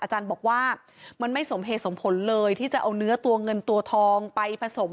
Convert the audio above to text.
อาจารย์บอกว่ามันไม่สมเหตุสมผลเลยที่จะเอาเนื้อตัวเงินตัวทองไปผสม